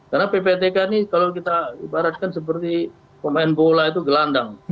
karena ppatk ini kalau kita ibaratkan seperti pemain bola itu gelandang